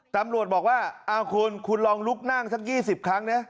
ตำรวจบอกว่าคุณลองลุกนั่งสักอีก๑๐ครั้ง